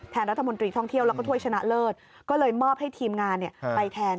รัฐมนตรีท่องเที่ยวแล้วก็ถ้วยชนะเลิศก็เลยมอบให้ทีมงานไปแทน